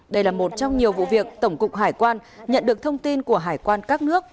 đây là một trong nhiều vụ việc tổng cục hải quan nhận được thông tin của hải quan các nước